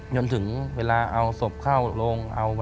จนถึงเวลาเอาศพเข้าโรง